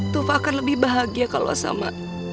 tufa akan lebih bahagia kalau sama